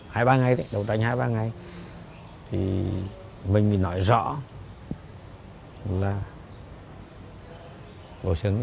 hai ba ngày đấy